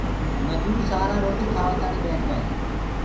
مجور سآرآ روٽي کآوآ تآڻي ٻيٺ گآ هينٚ